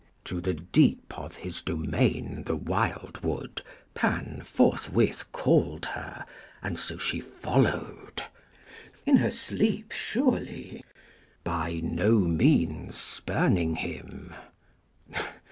"To the deep Of his domain the wildwood, Pan forthwith Called her, and so she followed" in her sleep, Surely? "by no means spurning him."